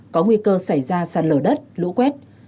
có nguy cơ xảy ra sạt lở đất lũ quét